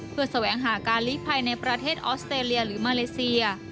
เพื่อแสวงหาการลีภัยในประเทศออสเตรเลียหรือมาเลเซีย